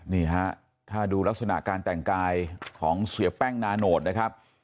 นี่ฮะถ้าดูลักษณะการแต่งกายของเสียแป้งนาโนตนะครับ